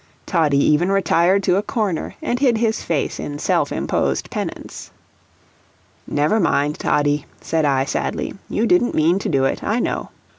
Toddie even retired to a corner and hid his face in self imposed penance. "Never mind, Toddie," said I, sadly; "you didn't mean to do it, I know."